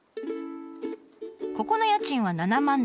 ここの家賃は７万台。